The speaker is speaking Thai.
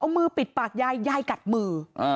เอามือปิดปากยายยายกัดมือ